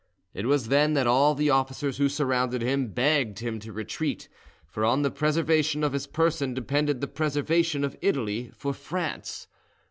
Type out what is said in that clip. It was then that all the officers who surrounded him begged him to retreat, for on the preservation of his person depended the preservation of Italy for France.